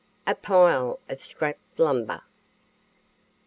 A PILE OF SCRAP LUMBER.